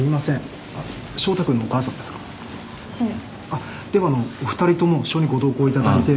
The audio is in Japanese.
あっではあのお二人とも署にご同行いただいて。